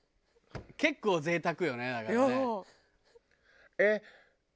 結構贅沢よねだからね。